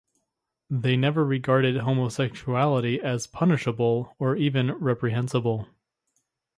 They never regarded homosexuality as punishable or even reprehensible.